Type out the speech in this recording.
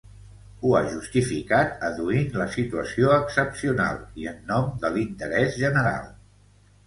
Ho ha justificat adduint la situació excepcional i en nom de l’interès general.